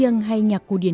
nhạc cổ điển